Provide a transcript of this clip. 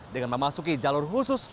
dengan memasuki jalur khusus